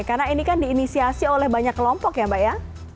karena ini kan diinisiasi oleh banyak kelompok ya mbak ya